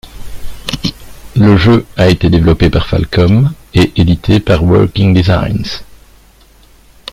Le jeu a été développé par Falcom et édité par Working Designs.